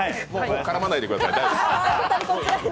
絡まないでください。